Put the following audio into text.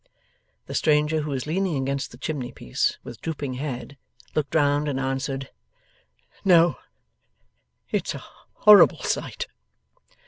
The stranger, who was leaning against the chimneypiece with drooping head, looked round and answered, 'No. It's a horrible sight!